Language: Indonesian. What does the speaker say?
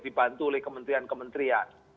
dibantu oleh kementerian kementerian